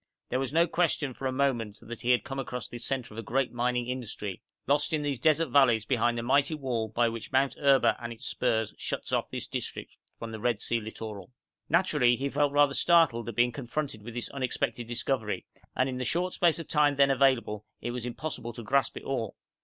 There was no question for a moment that he had come across the centre of a great mining industry, lost in these desert valleys behind the mighty wall by which Mount Erba and its spurs shuts off this district from the Red Sea littoral. Naturally he felt rather startled at being confronted with this unexpected discovery, and in the short space of time then available it was impossible to grasp it all.